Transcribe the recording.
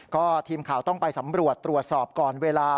ก็ทีมข่าวต้องไปสำรวจตรวจสอบก่อนเวลา